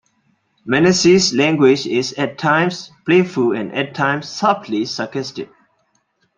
Menasse's language is at times playful and at times subtly sarcastic.